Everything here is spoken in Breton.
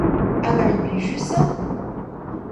Hag ar plijusañ ?